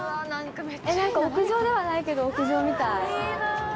屋上ではないけど屋上みたい。